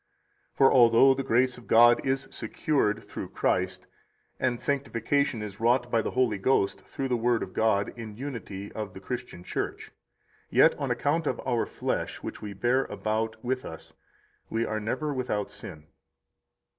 For although the grace of God is secured through Christ, and sanctification is wrought by the Holy Ghost through the Word of God in the unity of the Christian Church, yet on account of our flesh which we bear about with us we are never without sin.